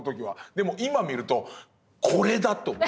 でも今見るとこれだ！と思う。